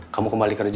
kamu kembali kerja